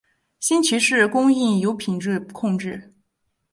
新奇士供应有品质控制。